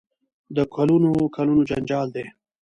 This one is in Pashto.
د کلونو کلونو جنجال دی.